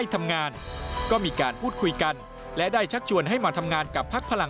กรรมการผู้ช่วยรัฐมนตรี